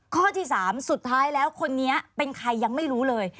ข้อที่๓สุดท้ายแล้วคนนี้เป็นใครยังไม่รู้เลย